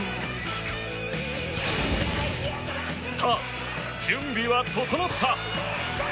さあ、準備は整った。